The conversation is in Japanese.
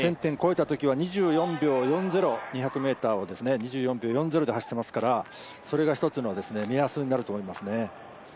７０００点超えたときは２００ｍを２４秒４０で走っていますからそれが一つの目安になると思いますね。